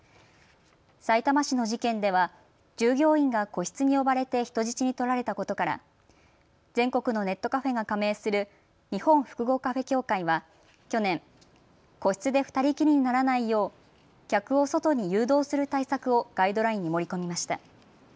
さいたま市の事件では従業員が個室に呼ばれて人質に取られたことから全国のネットカフェが加盟する日本複合カフェ協会は去年、個室で２人きりにならないよう客を外に誘導する対策をガイドラインに盛り込みました。